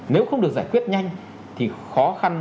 nếu không được giải quyết nhanh thì khó khăn